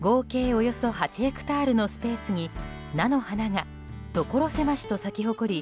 およそ８ヘクタールのスペースに菜の花がところ狭しと咲き誇り